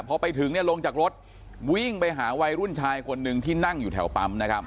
พอไปถึงลงจากรถวิ่งไปหาวัยรุ่นชายคนหนึ่งที่นั่งอยู่แถวปั๊มนะครับ